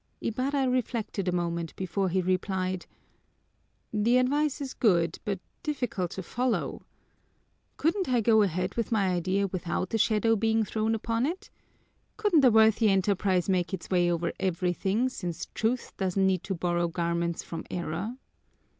Ibarra reflected a moment before he replied: "The advice is good, but difficult to follow. Couldn't I go ahead with my idea without a shadow being thrown upon it? Couldn't a worthy enterprise make its way over everything, since truth doesn't need to borrow garments from error?"